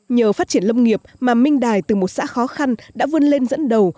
nhờ phát triển lâm nghiệp mà minh đài từ một xã khó khăn đã vươn lên dẫn đầu